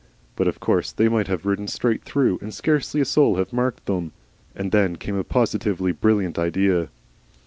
But of course they might have ridden straight through and scarcely a soul have marked them. And then came a positively brilliant idea.